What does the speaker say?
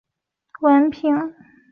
学历多为大学文凭。